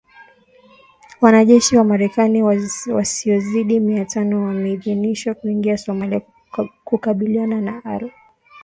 Wanajeshi wa Marekani wasiozidi mia tano wameidhinishwa kuingia Somalia kukabiliana na Al Shabaab